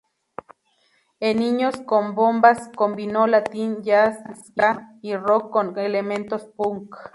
En "Niños Con Bombas" combinó Latin, Jazz, Ska y Rock con elementos Punk.